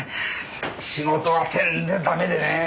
仕事はてんでダメでね。